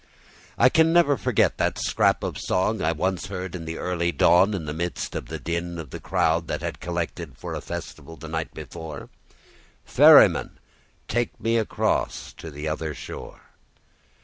] I can never forget that scrap of a song I once heard in the early dawn in the midst of the din of the crowd that had collected for a festival the night before: "Ferryman, take me across to the other shore!"